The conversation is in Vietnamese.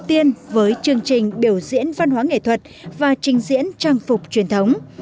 đầu tiên với chương trình biểu diễn văn hóa nghệ thuật và trình diễn trang phục truyền thống